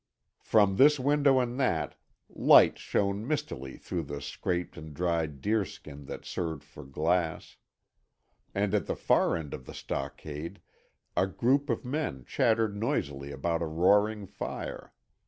From this window and that, lights shone mistily through the scraped and dried deer skin that served for glass. And at the far end of the stockade a group of men chattered noisily about a roaring fire.